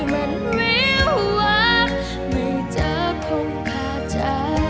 มันไม่หวังไม่จะคงพาใจ